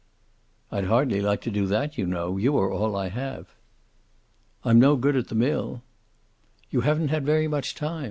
"I'd hardly like to do that, you know. You are all I have." "I'm no good at the mill." "You haven't had very much time.